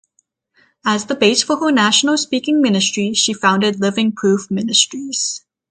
As a base for her national speaking ministry, she founded Living Proof Ministries.